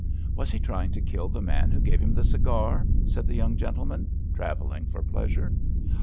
" Was he trying to kill the man who gave him the cigar f '* said the Young Gentleman travelling for Pleasure.